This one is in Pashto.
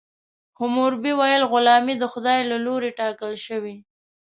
حموربي ویل غلامي د خدای له لورې ټاکل شوې.